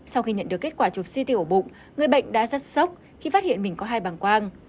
sau khi nhận được kết quả chụp ct ở bụng người bệnh đã rất sốc khi phát hiện mình có hai bàng quang